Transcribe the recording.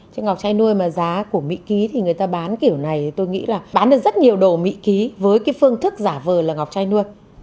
chứ ngọc trai nuôi mà giá của mỹ ký thì người ta bán kiểu này tôi nghĩ là bán được rất nhiều đồ mỹ ký với cái phương thức giả vờ là ngọc chai nua